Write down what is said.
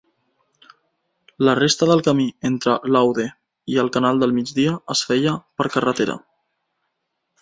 La resta del camí entre l'Aude i el canal del Migdia es feia per carretera.